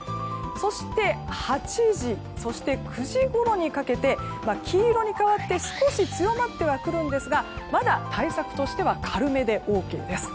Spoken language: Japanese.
そして８時、９時ごろにかけて黄色に変わって少し強まってはくるんですがまだ対策としては軽めでＯＫです。